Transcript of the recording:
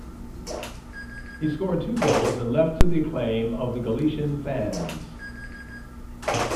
He scored two goals and left to the acclaim of the Galician fans.